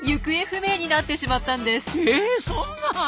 えそんなあ！